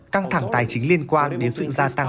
căng thẳng tài chính liên quan đến sự gia tăng